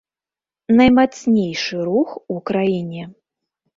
Наймацнейшы рух у краіне.